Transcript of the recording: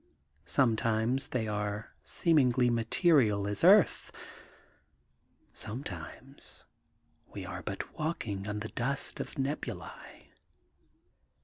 Sometimes they are as seemingly material as earth. Sometimes we are but walking on the dust of nebulae.